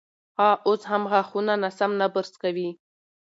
هغه اوس هم غاښونه ناسم نه برس کوي.